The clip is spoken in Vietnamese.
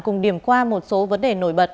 cùng điểm qua một số vấn đề nổi bật